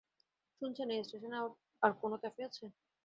শুনছেন, এই স্টেশনে আর কোন ক্যাফে আছে?